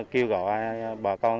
kêu gọi bà con